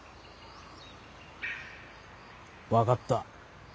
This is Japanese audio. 分かった。